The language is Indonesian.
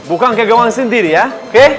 bukan ke gawang sendiri ya oke